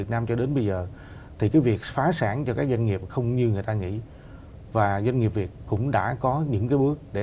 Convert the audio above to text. là một kênh không thể bỏ qua